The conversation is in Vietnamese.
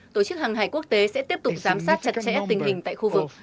tổ chức hàng hải quốc tế sẽ tiếp tục giám sát chặt chẽ tình hình tại khu vực